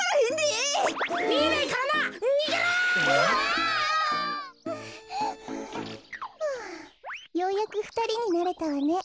ようやくふたりになれたわね。